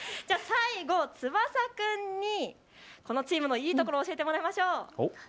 最後、翼君にこのチームのいいところを教えてもらいましょう。